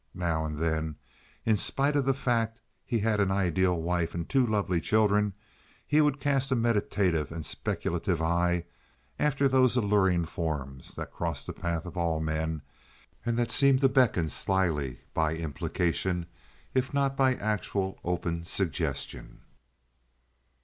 Now and then, in spite of the fact that he had an ideal wife and two lovely children, he would cast a meditative and speculative eye after those alluring forms that cross the path of all men and that seem to beckon slyly by implication if not by actual, open suggestion.